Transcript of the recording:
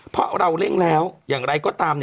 เพราะเราเร่งแล้วอย่างไรก็ตาม